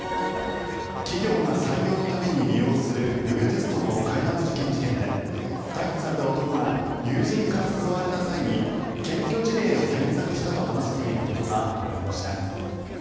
企業が採用のために利用するウェブテストの替え玉受験事件で逮捕された男が友人から誘われた際に検挙事例を検索したと話していることがわかりました。